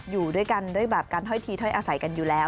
อยู่ด้วยกันด้วยแบบการถ้อยทีถ้อยอาศัยกันอยู่แล้ว